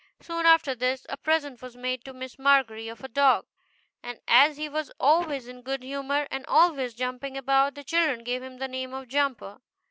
Soon after this a present was made to Miss Margery of a dog, and as he was always in good humor, and always jump ing about, the children gave him the name of Jumper.